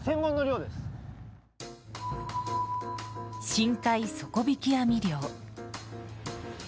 深海底引き網漁。